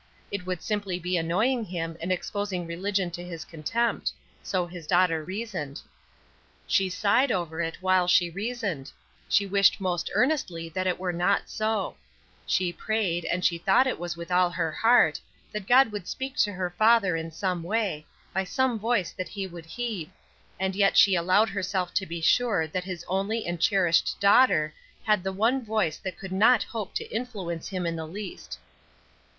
It would simply be annoying him and exposing religion to his contempt; so his daughter reasoned. She sighed over it while she reasoned; she wished most earnestly that it were not so; she prayed, and she thought it was with all her heart, that God would speak to her father in some way, by some voice that he would heed; and yet she allowed herself to be sure that his only and cherished daughter had the one voice that could not hope to influence him in the least.